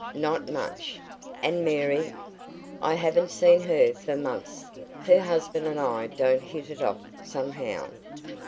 "Not much." "And Mary?" "I haven't seen her for months. Her husband and I don't hit it off, somehow."